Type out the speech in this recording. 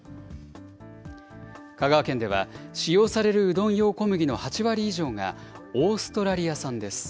香川県では使用されるうどん用小麦の８割以上がオーストラリア産です。